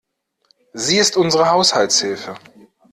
Sie ist unsere Haushaltshilfe.